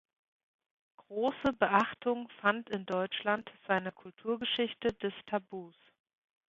Große Beachtung fand in Deutschland seine Kulturgeschichte des Tabus.